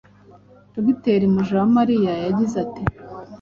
Dr Mujawamariya yagize ati